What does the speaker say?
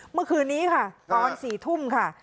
เมื่อคืนนี้ค่ะตอน๔ทุ่มค่ะ